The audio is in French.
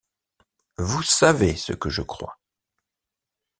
Vous savez ce que je crois...